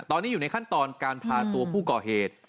ตอนนี้อยู่ในขั้นตอนการพาตัวผู้ก่อเหตุ